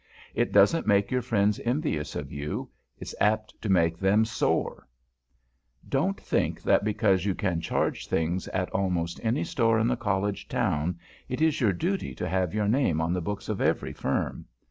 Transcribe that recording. It doesn't make your friends envious of you. It's apt to make them sore. [Sidenote: RUNNING BILLS] Don't think that because you can charge things at almost any store in the College Town, it is your duty to have your name on the books of every firm.